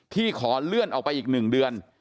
ขอเลื่อนออกไปอีก๑เดือน